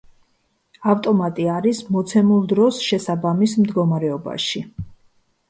ავტომატი არის მოცემულ დროს შესაბამის მდგომარეობაში.